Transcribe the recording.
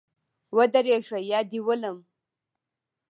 ودرېږه یا دي ولم